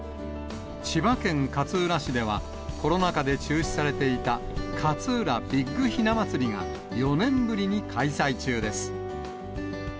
千葉県勝浦市では、コロナ禍で中止されていたかつうらビッグひな祭りが４年ぶりに開催中です。